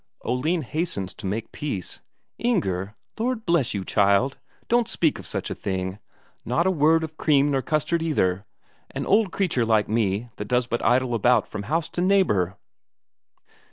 Oline hastens to make peace. "Inger, Lord bless you, child, don't speak of such a thing. Not a word of cream nor custard either an old creature like me that does but idle about from house to neighbour...!"